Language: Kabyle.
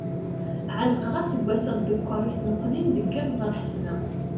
Ɛelqeɣ aseggas-a dekkeṛ i tneqlin deg Iɣzeṛ Ḥesna.